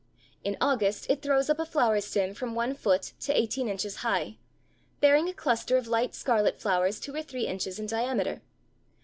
In August it throws up a flower stem from one foot to eighteen inches high, bearing a cluster of light scarlet flowers two or three inches in diameter.